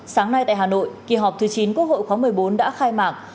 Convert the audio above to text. sáng nay tại hà nội kỳ họp thứ chín quốc hội khóa một mươi bốn đã khai mạc